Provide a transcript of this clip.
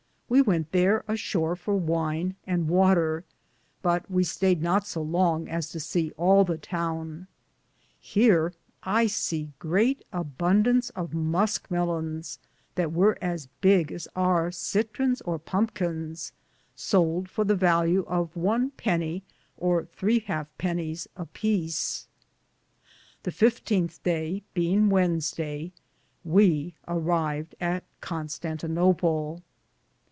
We wente thare a shore for wyne and water, but we stayed not so longe as to se all the towne. Heare I se greate abundance of moske mylyons,^ that weare as big as our sidrums or pumpions,^ sould for the vallue of one penye or 3 halfe penis a peece. The 15th day, beinge Wednesday, we arived at Constan tinople.